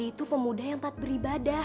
studies apa kalau tuh